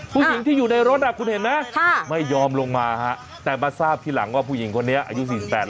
ผู้หญิงที่อยู่ในรถคุณเห็นไหมไม่ยอมลงมาฮะแต่มาทราบทีหลังว่าผู้หญิงคนนี้อายุ๔๘